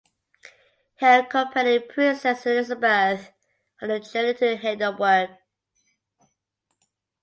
He accompanied Princess Elizabeth on her journey to Heidelberg.